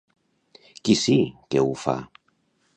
Qui sí que ho fa?